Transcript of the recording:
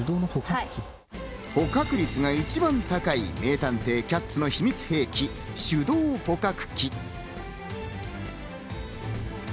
捕獲歴が一番高い名探偵キャッツの秘密兵器、手動捕獲器。